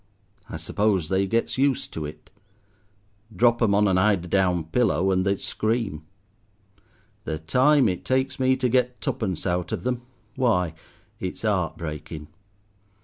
I suppose they gets used to it. Drop 'em on an eider down pillow, and they'd scream. The time it takes me to get tuppence out of them, why, it's 'eart breaking.